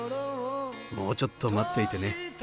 もうちょっと待っていてね。